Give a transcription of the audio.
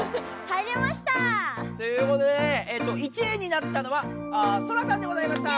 入りました！ということで１位になったのはソラさんでございました。